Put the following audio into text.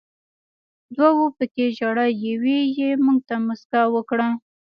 دوو پکې ژړل، یوې یې موږ ته موسکا وکړه.